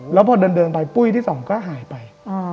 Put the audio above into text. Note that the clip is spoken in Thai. แล้วพอเดินไปปุ้ยที่สองก็หายไป